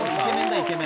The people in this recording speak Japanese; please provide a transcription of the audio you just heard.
イケメン。